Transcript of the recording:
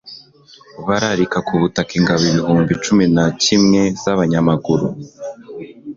bararika ku butaka ingabo ibihumbi cumi na kimwe z'abanyamaguru